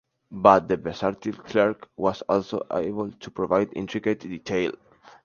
But the versatile Clarke was also able to provide intricate detail.